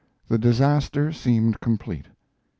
The disaster seemed complete.